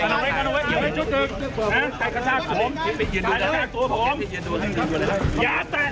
นี่พื้นที่เอกสาธารณะตรงไหน